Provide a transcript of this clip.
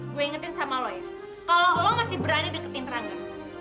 gue ingetin sama lo ya kalau lo masih berani deketin terangan